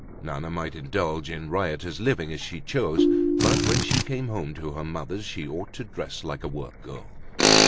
Nana might indulge in riotous living if she chose, but when she came home to her mother's she ought to dress like a workgirl.